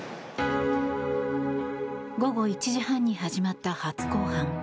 午後１時半に始まった初公判。